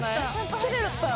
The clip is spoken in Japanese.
きれいだった。